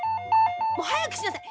もうはやくしなさい。